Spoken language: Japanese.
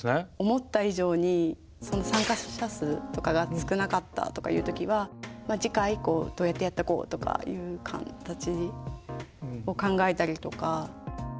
思った以上に参加者数とかが少なかったとかいう時は次回以降どうやってやってこうとかいう形を考えたりとか。